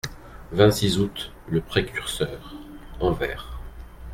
vingt-six août., Le Précurseur (Anvers).